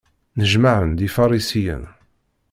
Nnejmaɛen-d Ifarisiyen.